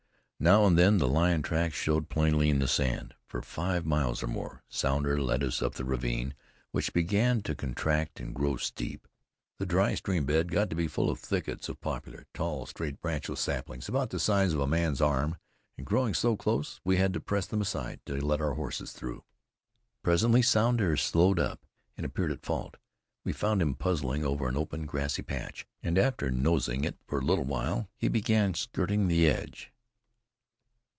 Now and then the lion tracks showed plainly in the sand. For five miles or more Sounder led us up the ravine, which began to contract and grow steep. The dry stream bed got to be full of thickets of branchless saplings, about the poplar tall, straight, size of a man's arm, and growing so close we had to press them aside to let our horses through. Presently Sounder slowed up and appeared at fault. We found him puzzling over an open, grassy patch, and after nosing it for a little while, he began skirting the edge.